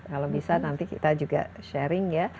kalau bisa nanti kita juga sharing ya